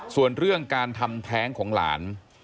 ส่วนเรื่องการทำแท้งของหลาน